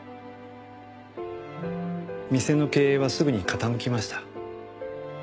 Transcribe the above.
店の経営はすぐに傾きました。